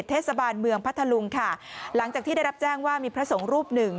เทศบาลเมืองพัทธลุงค่ะหลังจากที่ได้รับแจ้งว่ามีพระสงฆ์รูปหนึ่ง